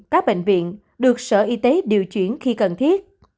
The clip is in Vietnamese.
các bệnh viện được sở y tế điều chuyển khi cần thiết